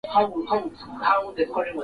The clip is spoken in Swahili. hawa ni wakimbizi wa kisomali